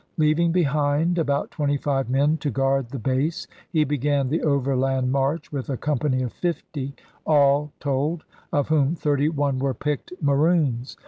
Leaving behind about twenty five men to guard the base, he began the overland march with a company of fifty, all told, of whom thirty one were picked Maroons.